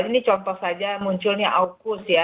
ini contoh saja munculnya aukus ya